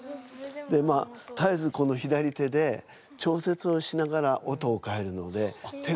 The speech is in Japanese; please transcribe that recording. でまあたえずこの左手で調節をしながら音を変えるので手が。